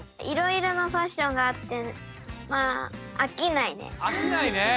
いろいろなファッションがあってあきないね。